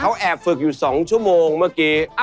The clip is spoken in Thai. เขาแอบอินนั่งอยู่สองชั่วโมงเมื่อกี้